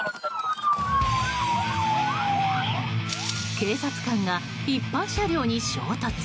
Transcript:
警察官が一般車両に衝突。